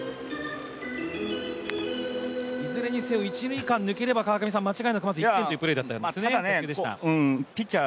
いずれにせよ一・二塁間を抜ければ間違いなく１点というプレーでしたピッチャー